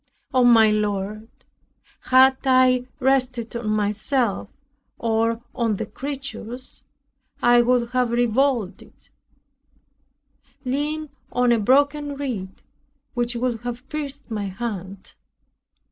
O my Lord! Had I rested on myself, or on the creatures, I would have revolted; "leaned on a broken reed, which would have pierced my hand."